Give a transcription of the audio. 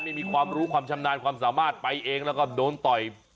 ไม่มีความรู้ความชำนาญความสามารถไปเองแล้วก็โดนต่อย